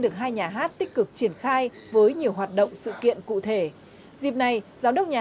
được hai nhà hát tích cực triển khai với nhiều hoạt động sự kiện cụ thể dịp này giám đốc nhà